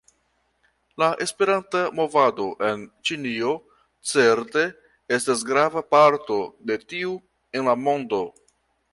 La Esperanta movado en Ĉinio certe estas grava parto de tiu en la mondo.